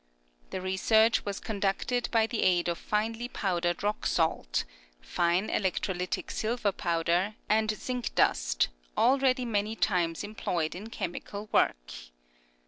The research was conducted by the aid of finely powdered rock salt, fine electrolytic silver powder, and zinc dust, already many times em ployed in chemical work.